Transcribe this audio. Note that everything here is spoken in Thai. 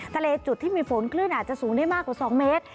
ทะเลจุดที่มีฝนคลื่นอาจจะสูงได้มากกว่า๒เมตร